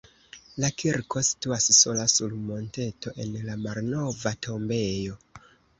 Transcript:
La kirko situas sola sur monteto en la malnova tombejo.